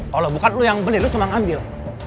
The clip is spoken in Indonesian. kalau bukan lu yang beli lu cuma ngambil